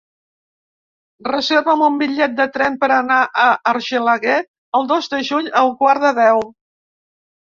Reserva'm un bitllet de tren per anar a Argelaguer el dos de juny a un quart de deu.